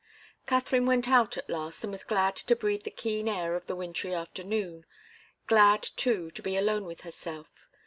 Katharine went out, at last, and was glad to breathe the keen air of the wintry afternoon; glad, too, to be alone with herself.